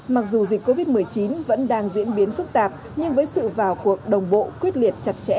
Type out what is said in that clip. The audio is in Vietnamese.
mặc dù dịch covid một mươi chín vẫn đang diễn biến phức tạp nhưng với sự vào cuộc đồng bộ quyết liệt chặt chẽ